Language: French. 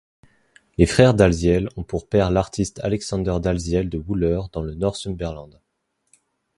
Les frères Dalziel ont pour père l'artiste Alexander Dalziel de Wooler dans le Northumberland.